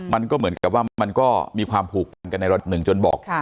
มันก็เหมือนกับว่ามันก็มีความผูกพันกันในระดับหนึ่งจนบอก